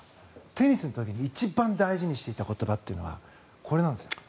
テニスの時に一番大事にしていた言葉がこれなんです。